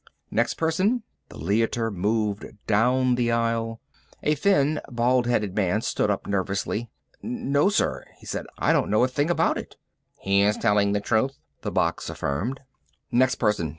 "Next person." The Leiter moved down the aisle. A thin, bald headed man stood up nervously. "No, sir," he said. "I don't know a thing about it." "He is telling the truth," the box affirmed. "Next person!